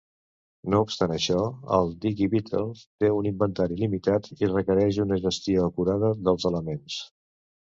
No obstant això, el Digi-Beetle té un inventari limitat, i requereix una gestió acurada dels elements.